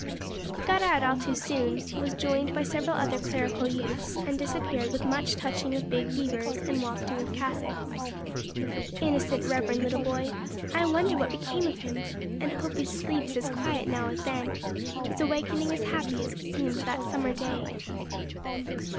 He got out all too soon, was joined by several other clerical youths, and disappeared with much touching of big beavers, and wafting of cassocks. Innocent, reverend little boy! I wonder what became of him, and hope his sleep is as quiet now as then, his awakening as happy as it seemed that summer day.